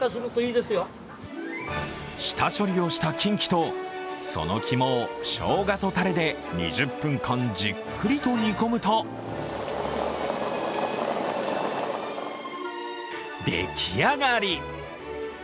下処理をしたキンキと、その肝をしょうがとたれで２０分間じっくりと煮込むとでき上がり。